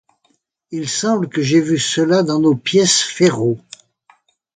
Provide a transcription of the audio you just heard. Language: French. Il me semble que j’ai vu cela dans nos pièces Ferraud.